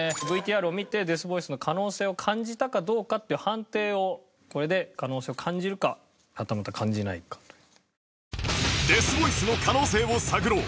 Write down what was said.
ＶＴＲを見てデスボイスの可能性を感じたかどうかっていう判定をこれで可能性を感じるかはたまた感じないかという。